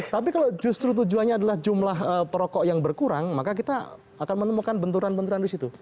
tapi kalau justru tujuannya adalah jumlah perokok yang berkurang maka kita akan menemukan benturan benturan di situ